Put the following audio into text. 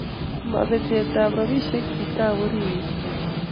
mo betet ab robishe chitap orenyuu.